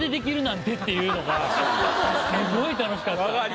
すごい楽しかった。